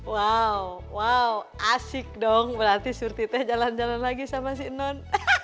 wow asik dong berarti surti teh jalan jalan lagi sama si non